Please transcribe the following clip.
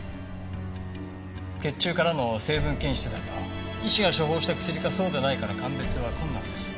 血中からの成分検出だと医師が処方した薬かそうでないかの鑑別は困難です。